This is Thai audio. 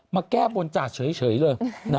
แก้บนจ่าเฉยเลย